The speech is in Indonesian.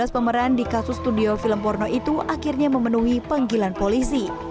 dua belas pemeran di kasus studio film porno itu akhirnya memenuhi panggilan polisi